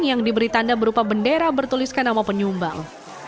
yang diberi tanda berupa bendera bertuliskan nama penyumbang